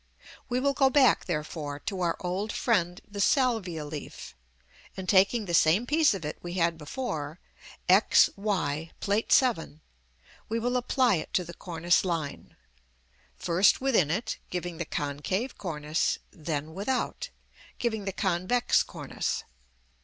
We will go back, therefore, to our old friend the salvia leaf; and taking the same piece of it we had before, x y, Plate VII., we will apply it to the cornice line; first within it, giving the concave cornice, then without, giving the convex cornice.